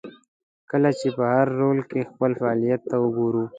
کله چې په هر رول کې خپل فعالیت ته وګورو.